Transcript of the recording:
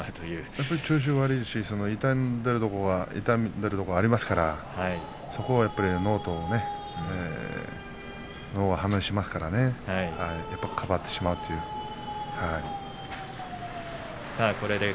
やっぱり調子が悪いし痛んでいるところがありますからそこは脳は反応しますからねかばってしまうというね。